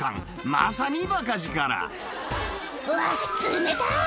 まさにばか力「うわ冷たっ！